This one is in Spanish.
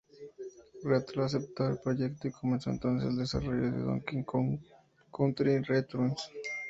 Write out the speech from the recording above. Retro aceptó el proyecto, y comenzó entonces el desarrollo de "Donkey Kong Country Returns".